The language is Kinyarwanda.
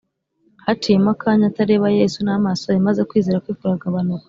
haciyemo akanya atareba yesu n’amaso ye, maze kwizera kwe kuragabanuka